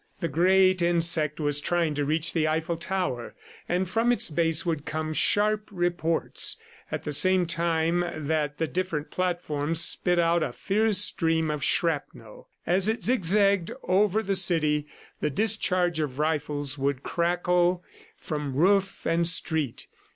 The great insect was trying to reach the Eiffel Tower, and from its base would come sharp reports, at the same time that the different platforms spit out a fierce stream of shrapnel. As it zigzagged over the city, the discharge of rifles would crackle from roof and street.